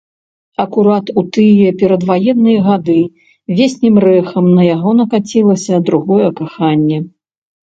Акурат у тыя перадваенныя гады веснім рэхам на яго накацілася другое каханне.